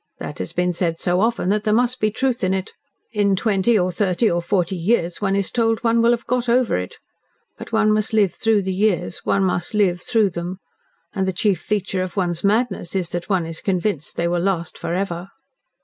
That has been said so often that there must be truth in it. In twenty or thirty or forty years one is told one will have got over it. But one must live through the years one must LIVE through them and the chief feature of one's madness is that one is convinced that they will last forever."